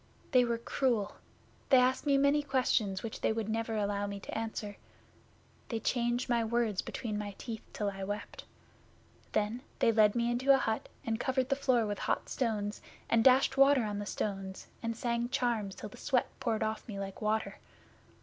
They were cruel. They asked me many questions which they would never allow me to answer. They changed my words between my teeth till I wept. Then they led me into a hut and covered the floor with hot stones and dashed water on the stones, and sang charms till the sweat poured off me like water.